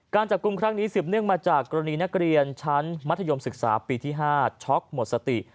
การจับกลุ่มครั้งนี้สืบเนื่องมาจากกรณีนักเรียนชั้นมัธยมศึกษาปีที่๕ช็อกหมดสติ